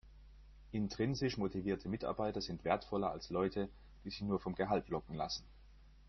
Intrinsisch motivierte Mitarbeiter sind wertvoller als Leute, die sich nur vom Gehalt locken lassen.